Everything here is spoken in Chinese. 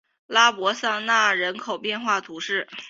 拉博桑讷人口变化图示